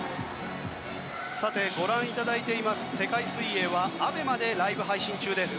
ご覧いただいている世界水泳はＡＢＥＭＡでライブ配信中です。